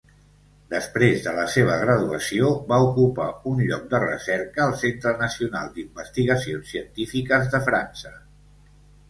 Després de la seva graduació, va ocupar un lloc de recerca al Centre Nacional d'Investigacions Científiques de França.